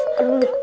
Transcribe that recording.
aduh mata gue